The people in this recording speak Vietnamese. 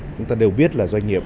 chúng ta đều biết là doanh nghiệp